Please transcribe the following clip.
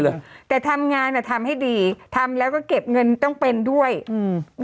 เลยแต่ทำงานอ่ะทำให้ดีทำแล้วก็เก็บเงินต้องเป็นด้วยอืม